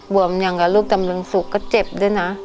วมอย่างกับลูกตำรึงสุขก็เจ็บด้วยนะ